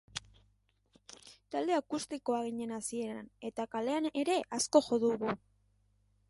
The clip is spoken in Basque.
Talde akustikoa ginen hasieran, eta kalean ere asko jo dugu.